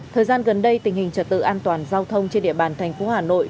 thời gian gần đây tình hình trật tự an toàn giao thông trên địa bàn thành phố hà nội